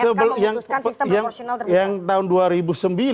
semuanya mk memutuskan sistem proporsional tersebut